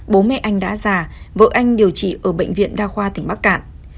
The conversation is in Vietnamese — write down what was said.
bố mẹ anh đã già vợ anh điều trị ở bệnh viện đa khoa tỉnh bắc cạn